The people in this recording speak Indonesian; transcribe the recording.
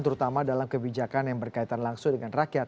terutama dalam kebijakan yang berkaitan langsung dengan rakyat